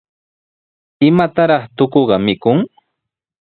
¿Imataraq tukuqa mikun?